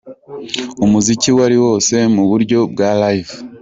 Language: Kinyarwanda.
Umuziki wari wose mu buryo bwa "Live".